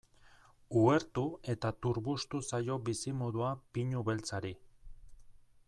Uhertu eta turbustu zaio bizimodua pinu beltzari.